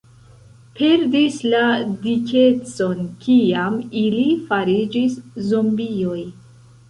... perdis la dikecon kiam ili fariĝis zombioj.